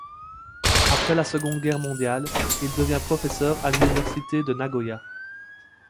Après la Seconde Guerre mondiale, il devient professeur à l’Université de Nagoya.